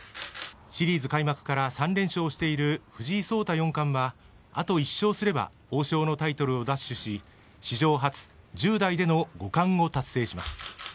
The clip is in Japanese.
シリーズ開幕から３連勝している藤井聡太四冠はあと１勝すれば王将のタイトルを奪取し史上初１０代での五冠を達成します。